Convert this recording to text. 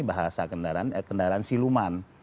bahasa kendaraan siluman